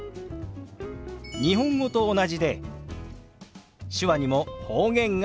日本語と同じで手話にも方言があるんですよ。